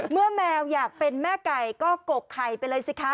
แมวอยากเป็นแม่ไก่ก็กกไข่ไปเลยสิคะ